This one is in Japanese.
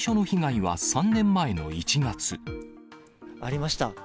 ありました。